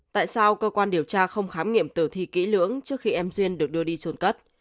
tại sao cơ quan điều tra không khám nghiệm tử thi kỹ lưỡng trước khi em duyên được đưa đi trồn cất